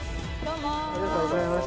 ありがとうございます。